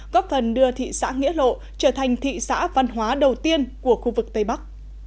góp phần đưa thị xã nghĩa lộ trở thành thị xã văn hóa đầu tiên của khu vực tây bắc